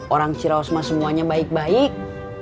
orang ciraos mah semuanya baik baik